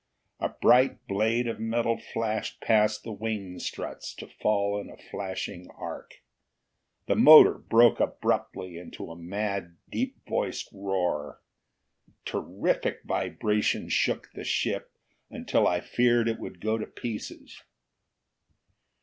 A bright blade of metal flashed past the wing struts, to fall in a flashing arc. The motor broke abruptly into a mad, deep voiced roar. Terrific vibration shook the ship, until I feared that it would go to pieces.